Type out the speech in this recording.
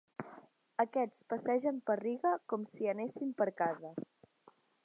Aquests passegen per Riga com si anessin per casa.